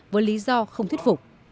với lý do không thuyết phục